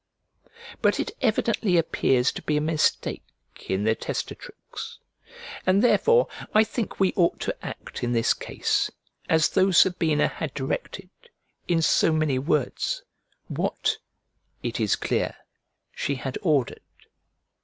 But it evidently appears to be a mistake in the testatrix; and therefore I think we ought to act in this case as though Sabina had directed, in so many words, what, it is clear, she had ordered.